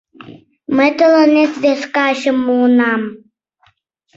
Мый тыланет вес качым муынам.